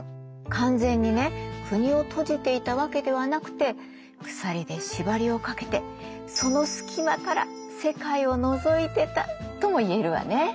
完全にね国を閉じていたわけではなくて鎖で縛りをかけてその隙間から世界をのぞいてたとも言えるわね。